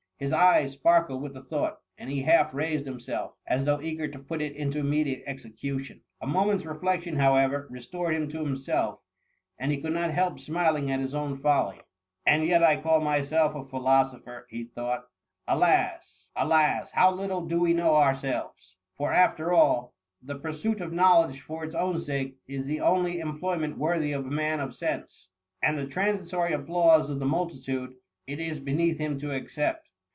^ His eyes sparkled with the thought, and he half raised himself, as though eager to put it into immediate execution. A moment's reflec tion, however, restored him to himself, and he could not help smiling at his own folly. *^ And THE MUMMir. 77 yet I call myself a philosopher,^ thought he :*^ Alas ! alas ! how little do we know ourselves, for after all, the pursuit of knowledge for its own sake is the only employment worthy of a man of sense: and the transitory applause of the multitude, it is beneath him to accept.